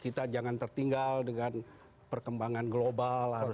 kita jangan tertinggal dengan perkembangan global harus